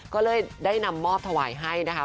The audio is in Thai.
ก็เลยได้นำมอบถวายให้นะคะ